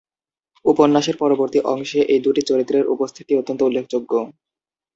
উপন্যাসের পরবর্তী অংশে এই দুটি চরিত্রের উপস্থিতি অত্যন্ত উল্লেখযোগ্য।